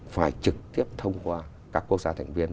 phải trực tiếp thông qua các quốc gia thành viên